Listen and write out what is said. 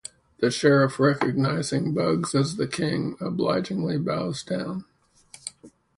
The Sheriff recognizing Bugs as the King, obligingly bows down.